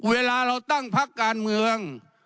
เวลาเราตั้งพักการเมือง